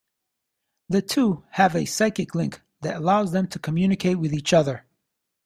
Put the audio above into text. The two have a psychic link that allows them to communicate with each other.